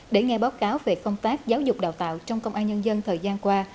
để nghe báo cáo về công tác giáo dục đào tạo trong công an nhân dân thời gian qua